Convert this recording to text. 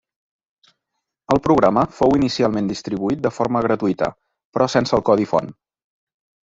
El programa fou inicialment distribuït de forma gratuïta però sense el codi font.